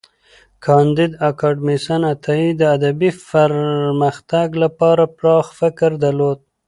کانديد اکاډميسن عطايي د ادبي پرمختګ لپاره پراخ فکر درلود.